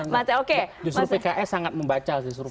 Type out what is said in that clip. justru pks sangat membaca hasil survei